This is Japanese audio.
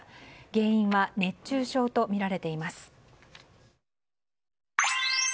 原因は熱中症とみられています。